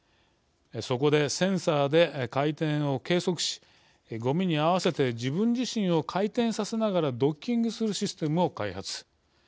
そこで、センサーで回転を計測しごみに合わせて自分自身を回転させながらドッキングするシステムを開発。